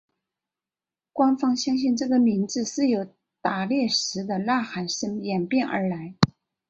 官方相信这个名字是由打猎时的呐喊声演变而来。